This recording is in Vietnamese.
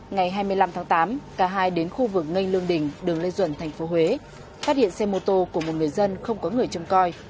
ngày hai mươi năm tháng tám cả hai đến khu vực ngây lương đình đường lê duẩn tp huế phát hiện xe mô tô của một người dân không có người châm coi